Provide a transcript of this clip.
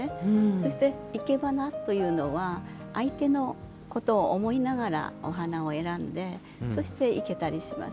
そして、いけばなというのは相手のことを思いながらお花を選んでそして生けたりします。